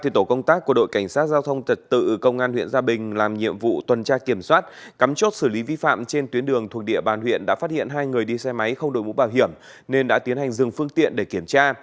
tổ công tác của đội cảnh sát giao thông tật tự công an huyện gia bình làm nhiệm vụ tuần tra kiểm soát cắm chốt xử lý vi phạm trên tuyến đường thuộc địa bàn huyện đã phát hiện hai người đi xe máy không đổi mũ bảo hiểm nên đã tiến hành dừng phương tiện để kiểm tra